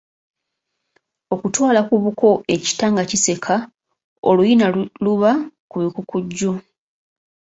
Okutwala ku buko ekita nga kiseka oluyina luba kubikukujju.